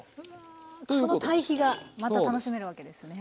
その対比がまた楽しめるわけですね。